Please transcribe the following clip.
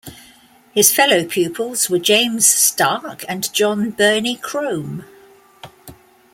His fellow-pupils were James Stark and John Berney Crome.